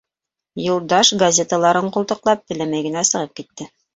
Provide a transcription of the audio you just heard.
Юлдаш газеталарын ҡултыҡлап, теләмәй генә сығып китте.